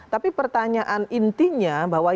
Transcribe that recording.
tapi pertanyaan intinya bahwa